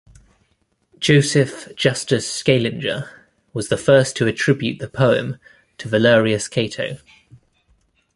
Joseph Justus Scaliger was the first to attribute the poem to Valerius Cato.